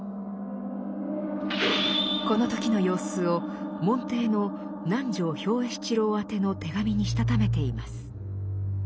この時の様子を門弟の南条兵衛七郎宛ての手紙にしたためています。